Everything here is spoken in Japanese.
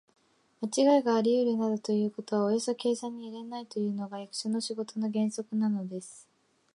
まちがいがありうるなどということはおよそ計算には入れないというのが、役所の仕事の原則なのです。